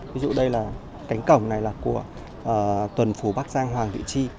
ví dụ đây là cánh cổng này là của tuần phủ bác giang hoàng vị tri